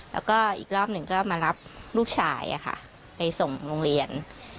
แล้วก็อีกรอบหนึ่งก็มารับลูกชายไปส่งโรงเรียน